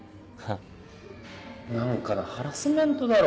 何かのハラスメントだろ